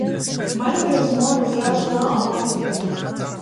Malheureusement l'ouvrage vint à manquer.